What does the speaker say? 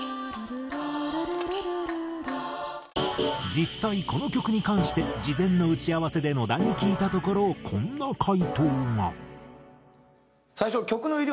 実際この曲に関して事前の打ち合わせで野田に聞いたところこんな回答が。